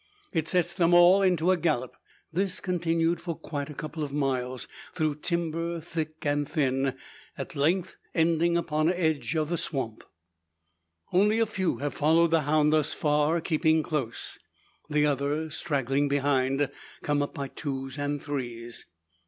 It sets them all into a gallop; this continued for quite a couple of miles through timber thick and thin, at length ending upon the edge of the swamp. Only a few have followed the hound thus far, keeping close. The others, straggling behind, come up by twos and threes.